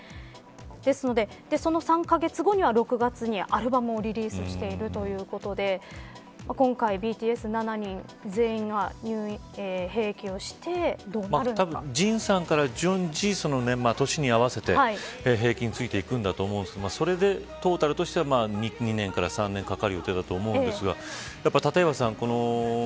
ですので、その３カ月後には６月にアルバムをリリースしているということで今回ＢＴＳ、７人全員が兵役をしてたぶんＪＩＮさんから順次メンバーの年に合わせて兵役についていくんだと思うんですけどそれでトータルとしては２年、３年かかる予定だと思うんですが立岩さん